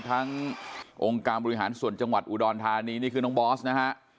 องค์การบริหารส่วนจังหวัดอุดรธานีนี่คือน้องบอสนะฮะ